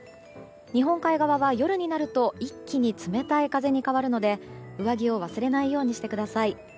日本海側は夜になると一気に冷たい風に変わるので上着を忘れないようにしてください。